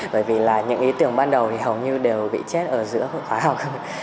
bởi vì là những ý tưởng ban đầu thì hầu như đều bị chết ở giữa khóa học